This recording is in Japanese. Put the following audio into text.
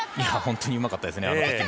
本当にうまかったですね。